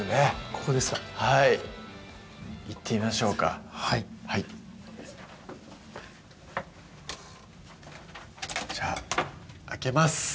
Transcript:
ここですか行ってみましょうかはいじゃあ開けます